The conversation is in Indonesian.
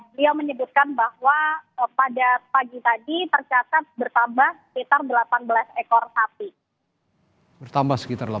beliau menyebutkan bahwa pada pagi tadi tercatat bertambah sekitar delapan belas ekor sapi